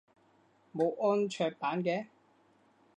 冇安卓版嘅？